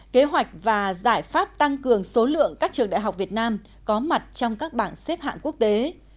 kế hoạch và giải pháp tăng cường số lượng các trường đại học việt nam có mặt trong các bảng xếp hạng quốc tế